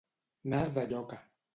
Nas de lloca.